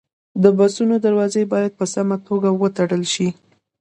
د بسونو دروازې باید په سمه توګه وتړل شي.